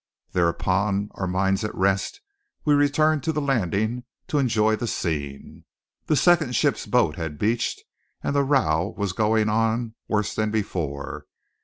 Thereupon, our minds at rest, we returned to the landing to enjoy the scene. The second ship's boat had beached, and the row was going on, worse than before.